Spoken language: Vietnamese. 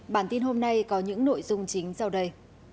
bản tin hôm nay có những nội dung chính sau đây